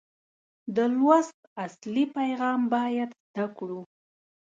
د لوست اصلي پیغام باید زده کړو.